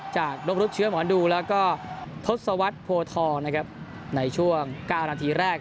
นกรุดเชื้อหมอดูแล้วก็ทศวรรษโพทองนะครับในช่วง๙นาทีแรก